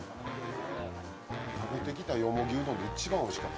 食べてきたよもぎうどんで一番おいしかった。